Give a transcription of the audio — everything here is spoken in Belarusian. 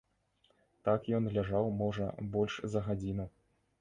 Так ён ляжаў, можа, больш за гадзіну.